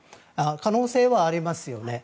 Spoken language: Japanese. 可能性はありますよね。